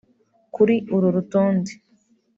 Kuri uru rutonde